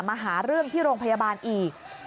มาหาเรื่องที่โรงพยาบาลอีก